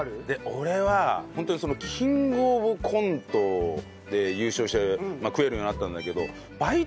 俺はホントにキングオブコントで優勝して食えるようになったんだけど。